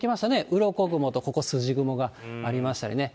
うろこ雲とここ、筋雲がありましたりね。